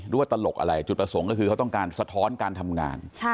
ตลกอะไรจุดประสงค์ก็คือเขาต้องการสะท้อนการทำงาน